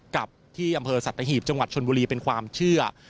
กับที่อำเภอสัตหีบจังหวัดชนบุรีเป็นความเชื่อ